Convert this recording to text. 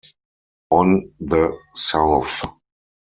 On the South.